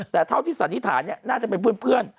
แต่เท่าที่สันนิษฐานน่าจะเป็นเพื่อน